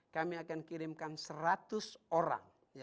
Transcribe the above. kami akan kirimkan seratus orang